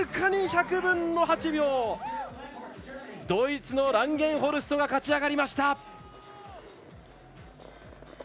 ドイツのランゲンホルストが勝ち上がりました。